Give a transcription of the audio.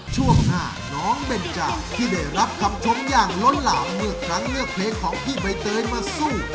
ช่วงหน้าน้องเบนจาที่ได้รับคำชมอย่างล้นหลามเมื่อครั้งเลือกเพลงของพี่ใบเตยมาสู้